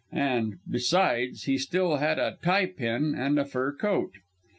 And, besides, he still had a tie pin and a fur coat.